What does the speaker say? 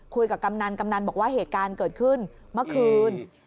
กำนันกำนันบอกว่าเหตุการณ์เกิดขึ้นเมื่อคืน